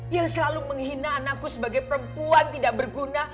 yang selalu menghina anakku sebagai perempuan tidak berguna